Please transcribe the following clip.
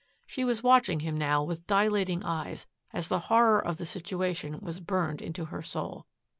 She was watching him now with dilating eyes as the horror of the situation was burned into her soul.